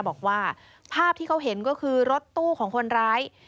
บอกว่าภาพที่เขาเห็นก็คือรถตู้ของคนร้าย